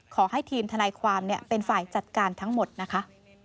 ขอให้ทีมทนายความเป็นฝ่ายจัดการทั้งหมดนะคะ